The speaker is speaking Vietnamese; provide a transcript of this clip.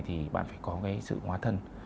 thì bạn phải có cái sự hóa thân